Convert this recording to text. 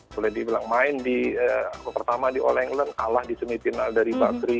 boleh dibilang main di pertama di all england kalah di semifinal dari bakri